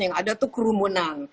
yang ada tuh kru munang